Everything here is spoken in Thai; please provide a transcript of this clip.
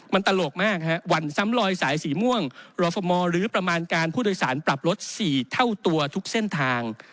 มันตลกมากวันซ้ำลอยสายสีม่วงรอฟมหรือประมาณการผู้โดยสารปรับลด๔เท่าตัวทุกเส้นทาง